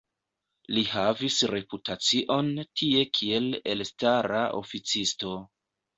Li havis reputacion tie kiel elstara oficisto.